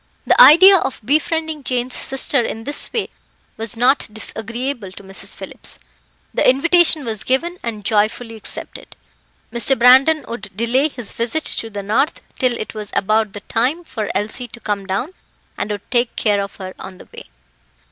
The idea of befriending Jane's sister in this way was not disagreeable to Mrs. Phillips. The invitation was given, and joyfully accepted. Mr. Brandon would delay his visit to the north till it was about the time for Elsie to come down, and would take care of her on the way.